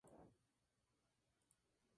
Es hermano de la tenista Svetlana Kuznetsova.